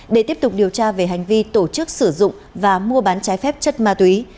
để tiếp tục điều tra về hành vi tổ chức sử dụng và mua bán trái phép chất ma túy